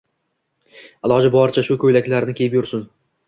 Iloji boricha shu ko`ylaklarni kiyib yursin